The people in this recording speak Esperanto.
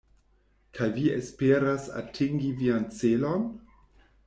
Kaj vi esperas atingi vian celon?